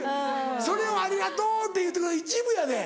それをありがとうって言うてくれるの一部やで。